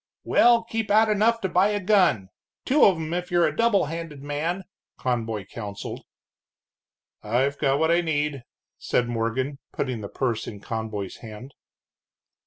"Well, keep out enough to buy a gun, two of 'em if you're a double handed man," Conboy counseled. "I've got what I need," said Morgan, putting the purse in Conboy's hand.